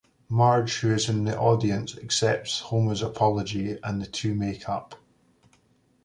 Marge, who is in the audience, accepts Homer's apology and the two make up.